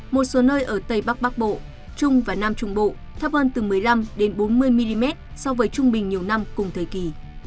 một số nơi ở tây bắc bắc bộ trung và nam trung bộ thấp hơn từ một mươi năm bốn mươi mm so với trung bình nhiều năm cùng thời kỳ